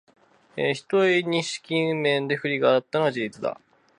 ひとえに資金面で不利があったのは事実だ